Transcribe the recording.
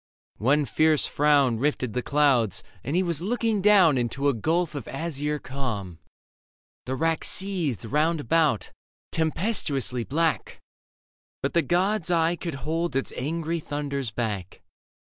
One fierce frown Rifted the clouds, and he was looking down Into a gulf of azure calm ; the rack Seethed round about, tempestuously black ; But the god's eye could hold its angry thunders back.